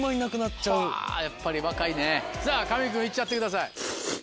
やっぱり若いねさぁ神木君行っちゃってください。